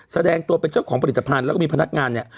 แสดงตัวเป็นเจ้าของผลิตภัณฑ์แล้วก็มีพนักงานเนี่ย